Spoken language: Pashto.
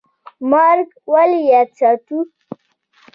مرګ ولې یاد ساتو؟